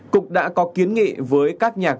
cục đã có kiến nghị với các nhà công an